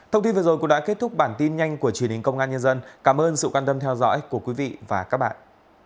thông tin vừa rồi cũng đã kết thúc bản tin nhanh của truyền hình công an nhân dân cảm ơn sự quan tâm theo dõi của quý vị và các bạn